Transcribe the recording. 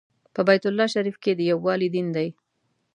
په بیت الله شریف کې د یووالي دین دی.